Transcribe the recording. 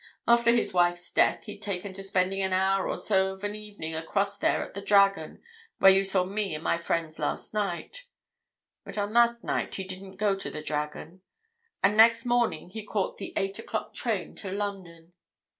After his wife's death he'd taken to spending an hour or so of an evening across there at the 'Dragon,' where you saw me and my friends last night, but on that night he didn't go to the 'Dragon.' And next morning he caught the eight o'clock train to London.